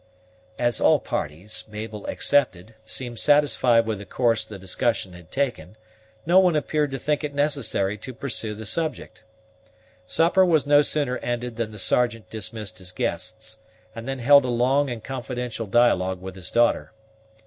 As all parties, Mabel excepted, seemed satisfied with the course the discussion had taken, no one appeared to think it necessary to pursue the subject. Supper was no sooner ended than the Sergeant dismissed his guests, and then held a long and confidential dialogue with his daughter.